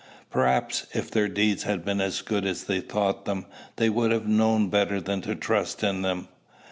Perhaps, if their deeds had been as good as they thought them, they would have known better than to trust in them.